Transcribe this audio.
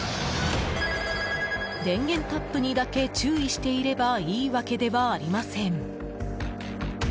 電源タップにだけ注意していればいいわけではありません。